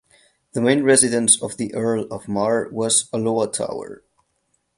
The main residence of the Earl of Mar was Alloa Tower.